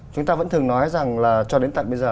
chúng ta vẫn thường nói rằng là cho đến tận bây giờ